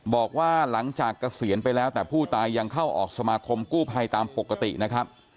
บอกว่าหลังจากเกษียณไปแล้วแต่ผู้ตายยังเข้าออกสมาคมกู้ภัยตามปกตินะครับ